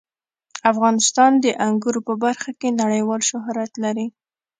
افغانستان د انګورو په برخه کې نړیوال شهرت لري.